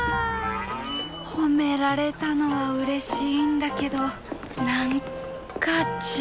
褒められたのはうれしいんだけど何か違う。